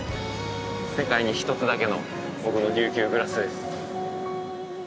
世界に１つだけの僕の琉球グラスです。